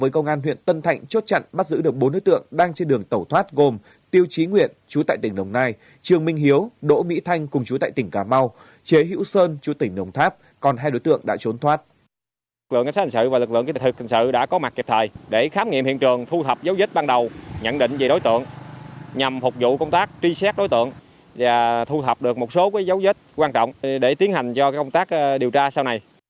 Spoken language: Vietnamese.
công an huyện tân thạnh chủ động phối hợp với lực lượng cảnh sát hình sự và lực lượng kỹ thuật hình sự đã có mặt kịp thời để khám nghiệm hiện trường thu thập dấu dứt ban đầu nhận định về đối tượng nhằm phục vụ công tác tri xét đối tượng và thu thập được một số dấu dứt quan trọng để tiến hành cho công tác điều tra sau này